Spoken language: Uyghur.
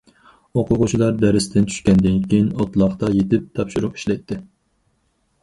ئوقۇغۇچىلار دەرستىن چۈشكەندىن كېيىن ئوتلاقتا يېتىپ تاپشۇرۇق ئىشلەيتتى.